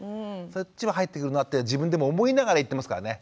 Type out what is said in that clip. そっちも入ってくるようになって自分でも思いながら言ってますからね。